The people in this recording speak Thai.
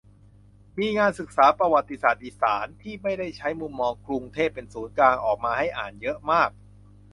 มีงานศึกษาประวัติศาสตร์อีสาน ที่ไม่ได้ใช้มุมมองกรุงเทพเป็นศูนย์กลาง ออกมาให้อ่านเยอะมาก